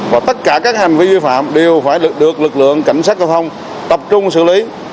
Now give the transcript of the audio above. và tất cả các hành vi vi phạm đều phải được lực lượng cảnh sát giao thông tập trung xử lý